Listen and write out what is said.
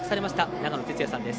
長野哲也さんです。